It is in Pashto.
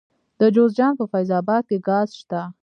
د جوزجان په فیض اباد کې ګاز شته.